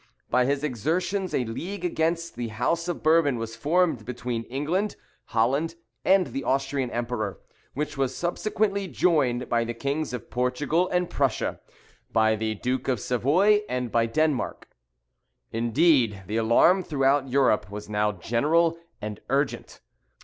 By his exertions a league against the house of Bourbon was formed between England, Holland, and the Austrian Emperor, which was subsequently joined by the kings of Portugal and Prussia, by the Duke of Savoy, and by Denmark. Indeed, the alarm throughout Europe was now general and urgent.